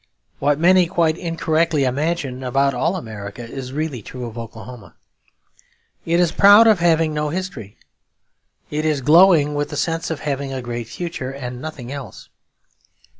What many, quite incorrectly, imagine about all America is really true of Oklahoma. It is proud of having no history. It is glowing with the sense of having a great future and nothing else.